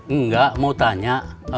enggak mau tanya